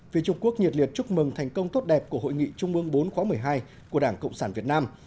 phía trung quốc nhiệt liệt chúc mừng thành công tốt đẹp của hội nghị trung ương bốn khóa một mươi hai của đảng cộng sản việt nam